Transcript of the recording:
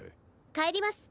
帰ります。